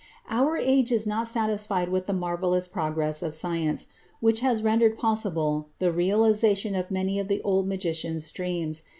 Our age is not satisfied with the marvellous progress of science, which has rendered possible the realization of many of the old magicians' dreams.